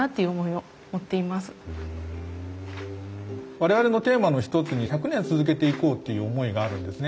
我々のテーマの一つに１００年続けていこうっていう思いがあるんですね。